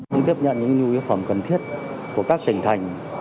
chúng tôi tiếp nhận những nguồn thực phẩm cần thiết của các tỉnh thành